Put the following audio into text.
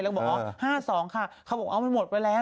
แล้วก็บอกอ๋อ๕๒ค่ะเขาบอกเอามันหมดไปแล้ว